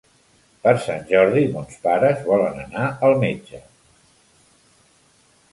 Per Sant Jordi mons pares volen anar al metge.